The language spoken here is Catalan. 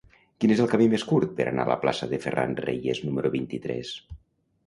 Quin és el camí més curt per anar a la plaça de Ferran Reyes número vint-i-tres?